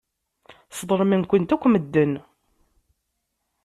Sḍelmen-kent akk medden.